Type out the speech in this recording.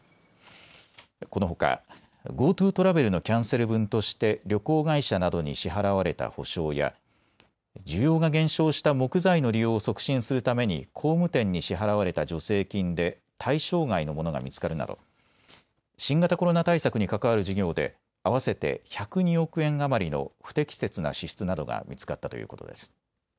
このほかＧｏＴｏトラベルのキャンセル分として旅行会社などに支払われた補償や需要が減少した木材の利用を促進するために工務店に支払われた助成金で対象外のものが見つかるなど新型コロナ対策に関わる事業で合わせて１０２億円余りの不適切な支出などが見つかったということです。